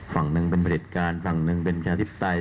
ฝ่างนึงเป็นเหพฤตการศ์ฝ่างนึงเป็นการทริปไต